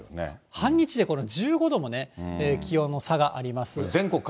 半日でこの１５度もね、気温の差があります。